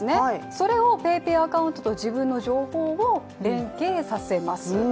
それをＰａｙＰａｙアカウントと自分の情報を連携させます。